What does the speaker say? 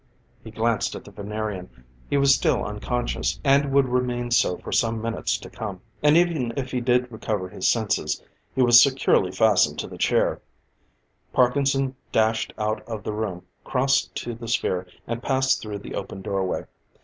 He glanced at the Venerian. He was still unconscious, and would remain so for some minutes to come. And even if he did recover his senses, he was securely fastened to the chair; Parkinson dashed out of the room, crossed to the sphere, and passed through the open doorway.